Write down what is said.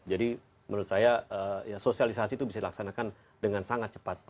jadi menurut saya sosialisasi itu bisa dilaksanakan dengan sangat cepat